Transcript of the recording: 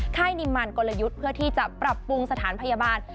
ค่ายนิมมันกลยุทธ์เพื่อที่จะปรับปรุงสถานพยาบาล